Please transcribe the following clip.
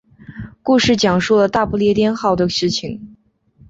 故事讲述了大不列颠号的事情。